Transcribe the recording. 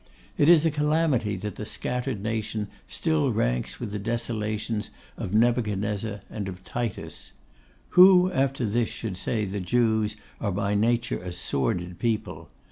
It is a calamity that the scattered nation still ranks with the desolations of Nebuchadnezzar and of Titus. Who after this should say the Jews are by nature a sordid people?